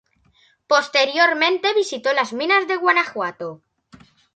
Posteriormente visitó las minas de Guanajuato.